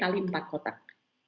jadi itu mempertahankan